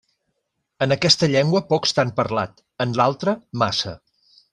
En aquesta llengua pocs t'han parlat, en l'altra, massa.